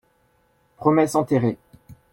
Promesse enterrée